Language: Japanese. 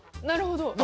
なるほど。